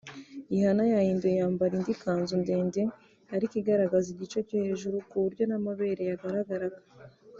Rihanna yahinduye yambara indi kanzu ndende ariko igaragaza igice cyo hejuru ku buryo n’amabere yagaragaraga